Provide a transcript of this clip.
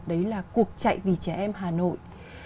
đấy là cuộc chạy vì trẻ em hà nội